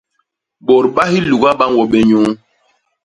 Bôt ba hiluga ba ñwo bé nyuu.